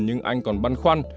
nhưng anh còn băn khoăn